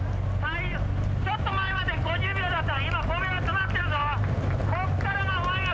ちょっと前まで、５０秒だから！